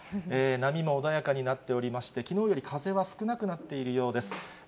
波も穏やかになっておりまして、きのうより風は少なくなっているようです。